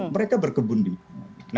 mereka berkebun di wamena